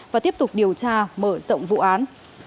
và tiếp tục điều tra mở rộng vụ án